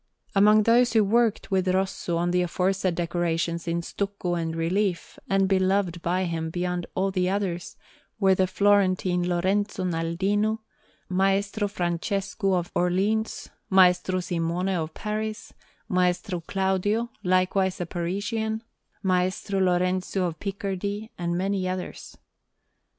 Among those who worked with Rosso on the aforesaid decorations in stucco and relief, and beloved by him beyond all the others, were the Florentine Lorenzo Naldino, Maestro Francesco of Orleans, Maestro Simone of Paris, Maestro Claudio, likewise a Parisian, Maestro Lorenzo of Picardy, and many others.